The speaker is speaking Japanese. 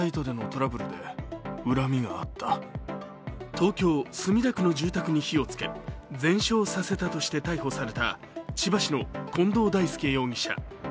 東京・杉並区の住宅に火をつけ全焼させたとして逮捕された千葉市の近藤大輔容疑者。